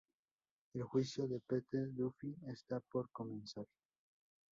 El juicio de Pete Duffy está por comenzar.